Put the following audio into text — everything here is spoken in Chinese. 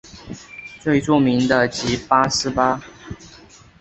最著名的即八思巴。